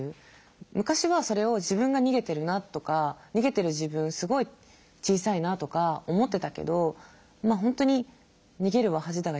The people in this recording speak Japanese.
昔はそれを自分が逃げてるなとか逃げてる自分すごい小さいなとか思ってたけどまあ